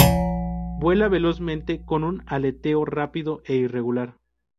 Vuela velozmente, con un aleteo rápido e irregular.